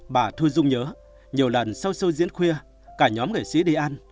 bà thu dung nhớ nhiều lần sau sâu diễn khuya cả nhóm nghệ sĩ đi ăn